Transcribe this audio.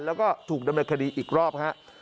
แล้วก็ถูกดำเนินคดีอีกรอบฮะ